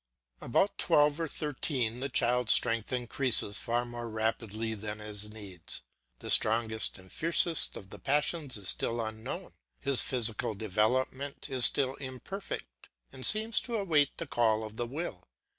About twelve or thirteen the child's strength increases far more rapidly than his needs. The strongest and fiercest of the passions is still unknown, his physical development is still imperfect and seems to await the call of the will.